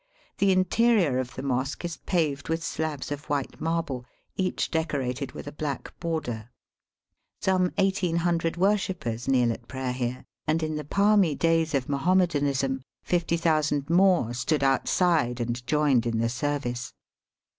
The interior of the mosque is paved with slabs of white marble, each decorated with a black border. Some 1800 worshippers kneel at prayer here, and in the palmy days of Mahomedanism 50,000 more stood outside and joined in the service.